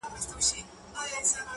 o مرگ په ماړه نس ښه خوند کوي.